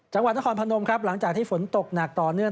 จังหวัดนครพนมครับหลังจากที่ฝนตกหนักต่อเนื่อง